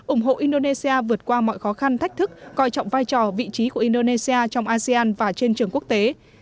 ủng hộ indonesia vượt qua mọi khó khăn thách thức coi trọng vai trò vị trí của indonesia trong asean và trên trường quốc tế